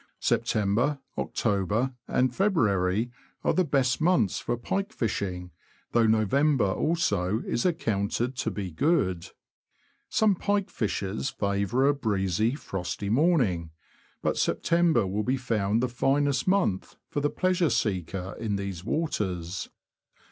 September, October, and February, are the best months for pike fishing, though November also is accounted to be good. Some pike fishers favour a breezy, frosty morning; but September will be found the finest month for the pleasure seeker in these waters.